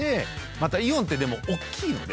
またイオンっておっきいので。